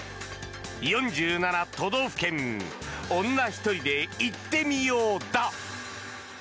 「４７都道府県女ひとりで行ってみよう」だ。